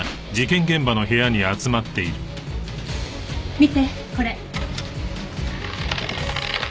見てこれ。